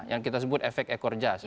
yang kita sebut efek ekor jas